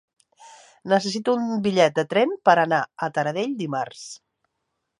Necessito un bitllet de tren per anar a Taradell dimarts.